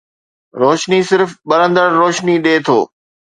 روشني صرف ٻرندڙ روشني ڏئي ٿو